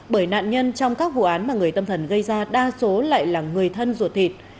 bởi nạn nhân trong các vụ án mà người tâm thần gây ra đa số lại là người thân ruột thịt